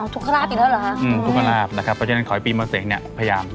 ทุกคราบอีกแล้วเหรอฮะอืมทุกคราบนะครับเพราะฉะนั้นขอให้ปีมะเสกเนี่ยพยายาม